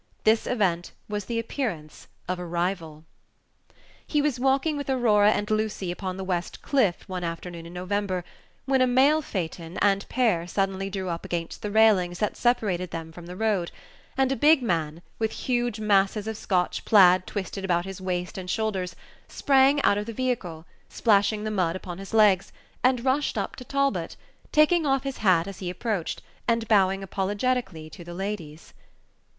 This event was the appearance of a rival. He was walking with Aurora and Lucy upon the West Cliff one afternoon in November, when a mail phaeton and pair suddenly drew up against the railings that separated them from the road, and a big man, with huge masses of Scotch plaid twisted about his waist and shoulders, sprang out of the vehicle, splashing the mud upon his legs, and rushed up to Talbot, taking off his hat as he approached, and bowing apologetically to the ladies.